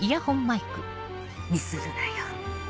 ミスるなよ。